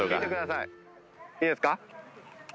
いいですか？